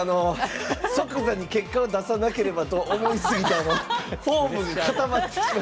即座に結果を出さなければと思いすぎてフォームが。